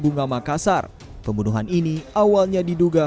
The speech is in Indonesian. bunga makassar pembunuhan ini awalnya diduga